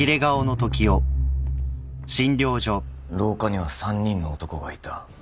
廊下には３人の男がいた。